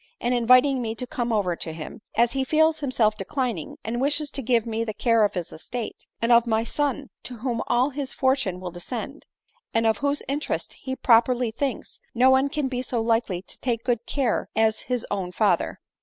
and inviting me to come over to him ; as he feels himself declining, and wishes to give me the care of his estate, and of my son, to whom all his fortune will descend ; and of whose interest, he properly thinks, no one can be so likely to take good care as his own father."